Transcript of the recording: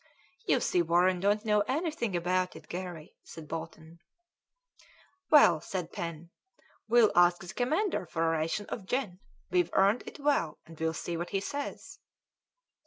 "You see Warren don't know anything about it, Garry," said Bolton. "Well," said Pen, "we'll ask the commander for a ration of gin; we've earned it well and we'll see what he says."